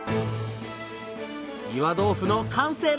岩豆腐の完成です！